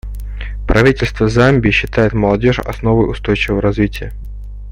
Правительство Замбии считает молодежь основой устойчивого развития.